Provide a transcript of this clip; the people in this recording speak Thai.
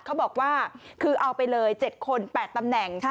เขาบอกว่าคือเอาไปเลย๗คน๘ตำแหน่ง